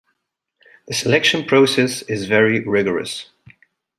The selection process is very rigorous.